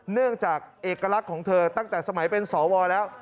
เนื่องจากเอกลักษณ์ของเธอตั้งแต่สมัยเป็นสวแล้ว